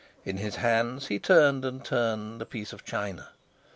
In his hands he turned and turned a piece of china.